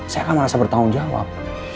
saya akan merasa bertanggung jawab